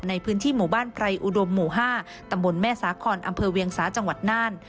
ในพื้นที่หมู่บ้านไพรอุดมหมู่๕ตำบลแม่สาคอนอำเภอเวียงสาจังหวัดน่าน